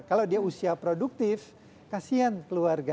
kalau dia usia produktif kasihan keluarga istri dan keluarga